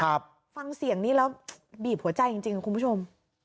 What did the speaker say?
ฟังเสียงนี้แล้วบีบหัวใจจริงจริงคุณผู้ชม